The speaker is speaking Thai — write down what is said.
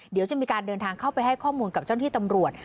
เดี๋ยวจะมีการเดินทางเข้าไปให้ข้อมูลกับเจ้าหน้าที่ตำรวจ